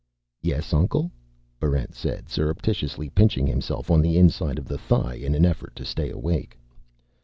"Yes, Uncle?" Barrent said, surreptitiously pinching himself on the inside of the thigh in an effort to stay awake.